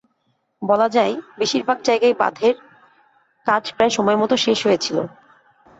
বলা যায়, বেশির ভাগ জায়গায় বাঁধের কাজ প্রায় সময়মতো শেষ হয়েছিল।